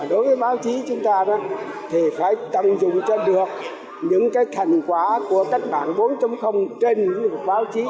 đối với báo chí chúng ta thì phải tăng dụng cho được những cái thành quả của các bản vốn tâm không trên báo chí